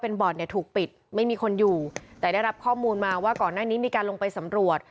บ่อนเนี่ยถูกปิดไม่มีคนอยู่แต่ได้รับข้อมูลมาว่าก่อนหน้านี้มีการลงไปสำรวจ